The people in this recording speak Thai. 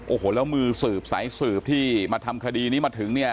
โอ้โหแล้วมือสืบสายสืบที่มาทำคดีนี้มาถึงเนี่ย